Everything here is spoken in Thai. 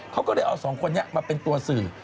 เขาก็เลยเอาสองคนนี้มาเป็นตัวสื่อ